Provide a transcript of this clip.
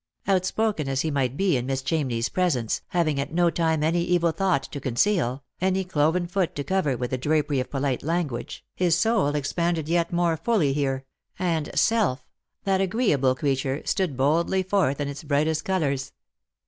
Outspoken as he might be in Miss Chamney's presence, having at no time any evil thought to conceal, any cloven foot to cover with the drapery of polite language, his soul expanded yet more fully here, and Self, that agreeable creature, stood boldly forth in its brightest colours.